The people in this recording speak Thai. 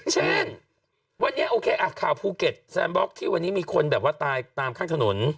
เช่นวันนี้โอเคข่าวภูเก็ตแซนบล็อกที่วันนี้มีคนแบบว่าตายตามข้างถนน